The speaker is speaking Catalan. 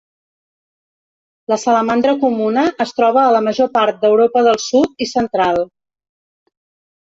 La salamandra comuna es troba a la major part d'Europa del sud i central.